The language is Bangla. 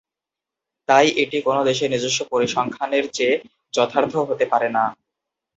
তাই এটি কোন দেশের নিজস্ব পরিসংখ্যানের চেয়ে যথার্থ হতে পারে না।